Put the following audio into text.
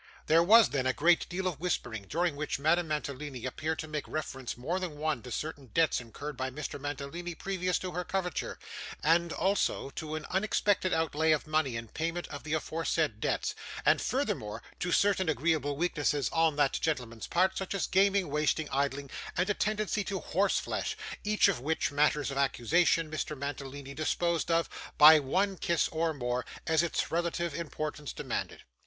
There was, then, a great deal of whispering, during which Madame Mantalini appeared to make reference, more than once, to certain debts incurred by Mr. Mantalini previous to her coverture; and also to an unexpected outlay of money in payment of the aforesaid debts; and furthermore, to certain agreeable weaknesses on that gentleman's part, such as gaming, wasting, idling, and a tendency to horse flesh; each of which matters of accusation Mr. Mantalini disposed of, by one kiss or more, as its relative importance demanded.